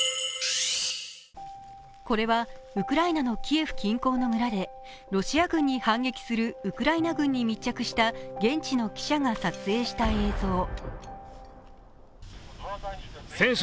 これはウクライナのキエフ近郊の村で、ロシア軍に反撃するウクライナ軍に密着した現地の記者が撮影した映像。